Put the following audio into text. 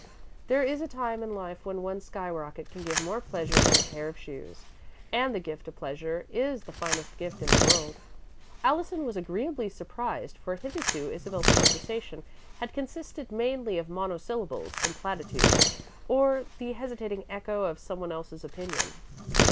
"There is a time in life when one sky rocket can give more pleasure than a pair of shoes, and the gift of pleasure is the finest gift in the world." Allison was agreeably surprised, for hitherto Isabel's conversation had consisted mainly of monosyllables and platitudes, or the hesitating echo of someone's else opinion.